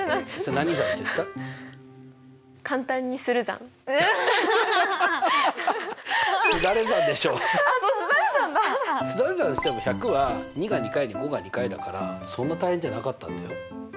すだれ算しても１００は２が２回に５が２回だからそんな大変じゃなかったんだよ。